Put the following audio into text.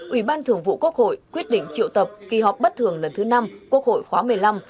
ủy ban thường vụ quốc hội quyết định triệu tập kỳ họp bất thường lần thứ năm quốc hội khóa một mươi năm